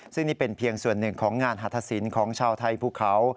ซึ่งนี่เป็นเพียงส่วนหนึ่งของงานหัฐศิลป์ของชาวไทยภูเขา